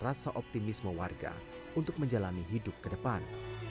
mereka juga mencari optimisme warga untuk menjalani hidup ke depan